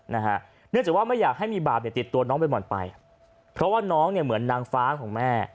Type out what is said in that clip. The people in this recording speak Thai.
เนื่องจากว่าไม่อยากให้มีบาปเนี่ยติดตัวน้องใบหม่อนไปเพราะว่าน้องเนี่ยเหมือนนางฟ้าของแม่